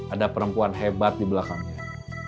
ada perempuan hebat di belakangnya